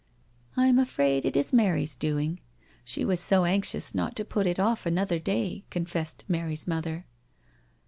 " I am afraid it is Mary's doing — she was so anxious not to put it off another day/' confessed Mary's mother.